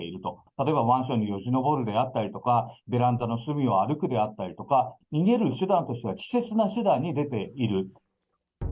例えばマンションによじ登るであったりとか、ベランダの隅を歩くであったりとか、逃げる手段としては稚拙な手段に出ている。